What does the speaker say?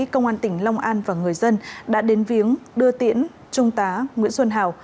công an tỉnh long an và người dân đã đến viếng đưa tiễn trung tá nguyễn xuân hào